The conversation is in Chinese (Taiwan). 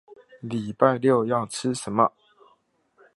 禮拜六要吃什麼